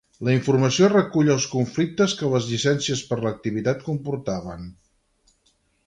La informació recull els conflictes que les llicències per l'activitat comportaven.